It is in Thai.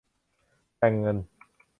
แหล่งเงิน